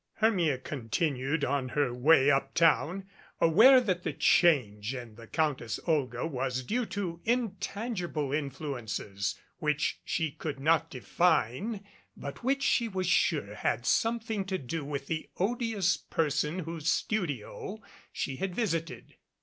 Hermia continued on her way uptown, aware that the change in the Countess Olga was due to intangible in fluences which she could not define but which she was sure had something to do with the odious person whose studio she had visited.